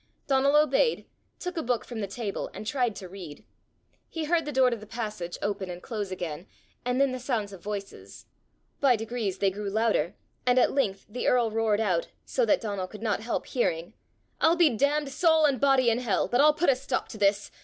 Donal obeyed, took a book from the table, and tried to read. He heard the door to the passage open and close again, and then the sounds of voices. By degrees they grew louder, and at length the earl roared out, so that Donal could not help hearing: "I'll be damned soul and body in hell, but I'll put a stop to this!